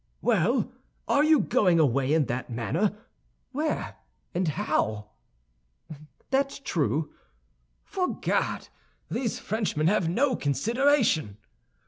"Well, are you going away in that manner? Where, and how?" "That's true!" "Fore Gad, these Frenchmen have no consideration!"